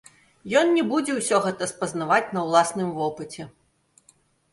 Ён не будзе ўсё гэта спазнаваць на ўласным вопыце.